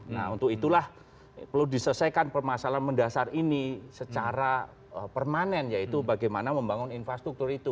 nah untuk itulah perlu diselesaikan permasalahan mendasar ini secara permanen yaitu bagaimana membangun infrastruktur itu